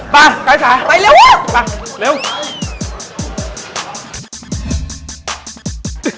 ไปไกล่สายไปเร็วไปเร็วเร็ว